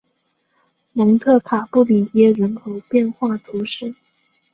蒙特卡布里耶人口变化图示